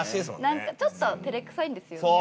なんかちょっと照れくさいんですよね。